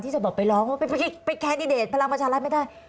จะบอกไปร้องว่าไปแคนดิเดตพลังประชารัฐไม่ได้